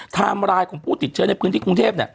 ไลน์ของผู้ติดเชื้อในพื้นที่กรุงเทพ